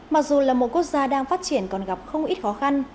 mặc dù là một quốc gia đang phát triển còn gặp không ít khó khăn